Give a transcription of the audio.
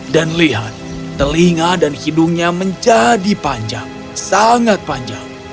dan lihat telinga dan hidungnya menjadi panjang sangat panjang